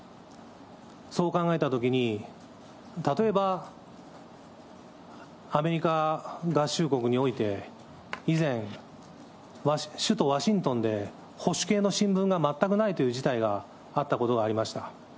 そう考えたときに、例えば、アメリカ合衆国において、以前、首都ワシントンで保守系の新聞が全くないという事態があったことがありました。